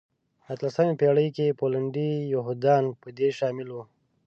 اتلمسې پېړۍ کې پولنډي یهودان په دې شامل وو.